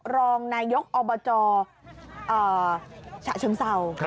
รองนายกอบจฉะเชิงเศร้า